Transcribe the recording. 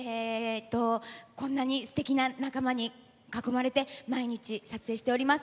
こんなにすてきな仲間にかこまれて毎日撮影しております。